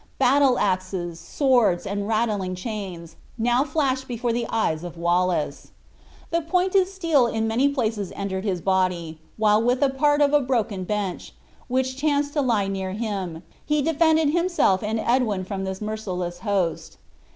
Battle axes, swords, and rattling chains, now flashed before the eyes of Wallace. The pointed steel in many places entered his body, while with part of a broken bench, which chanced to lie near him, he defended himself and Edwin from this merciless host.